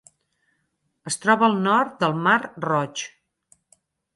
Es troba al nord del Mar Roig.